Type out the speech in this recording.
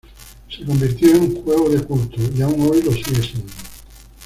Se convirtió en juego de culto y aún hoy lo sigue siendo.